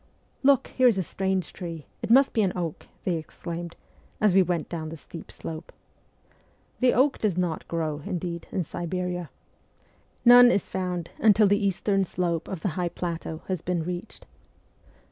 ' Look, here is a strange tree : it must be an oak,' they exclaimed, as we went down the steep slope. The oak does not grow, indeed, in Siberia. None is found until the eastern slope of the high plateau has been reached.